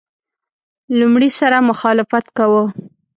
لومړي سره مخالفت کاوه.